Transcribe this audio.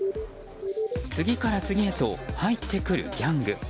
次から次へと入ってくるギャング。